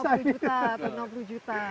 kenapa tidak lima puluh juta atau enam puluh juta